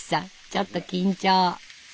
ちょっと緊張。